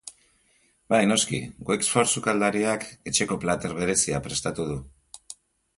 Bai, noski, Wexford sukaldariak etxeko plater berezia prestatu du.